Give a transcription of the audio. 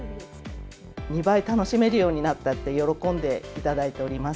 ２倍楽しめるようになったって、喜んでいただいております。